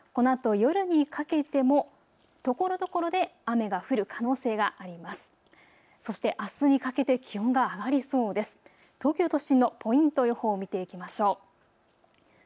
夜にかけても、ところどころで雨が降る可能性があります。